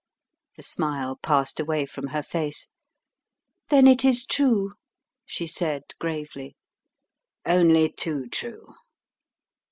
The smile passed away from her face. "Then it is true," she said, gravely. "Only too true."